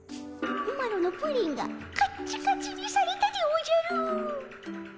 マロのプリンがカッチカチにされたでおじゃる。